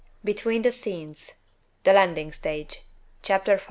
Between the Scenes The Landing Stage Chapter 5.